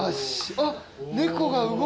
あっ。